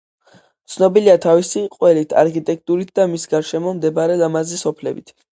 ცნობილია თავისი ყველით, არქიტექტურით და მის გარშემო მდებარე ლამაზი სოფლებით.